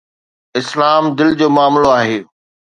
اسلام دل جو معاملو آهي.